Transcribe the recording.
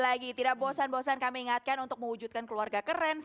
lagi lagi tidak bosan bosan kami ingatkan untuk mewujudkan keluarga keren yang keren